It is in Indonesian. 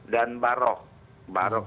dan barok barok